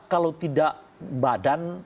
kalau tidak badan